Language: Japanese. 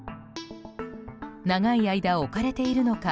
長い間置かれているのか